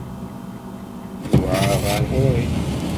Yewεer ɣer ɣur-i.